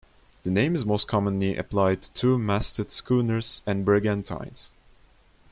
The name is most commonly applied to two-masted schooners and brigantines.